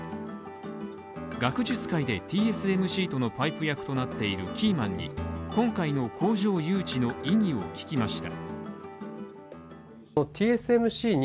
学術界でＴＳＭＣとのパイプ役となっているキーマンに今回の工場誘致の意義を聞きました。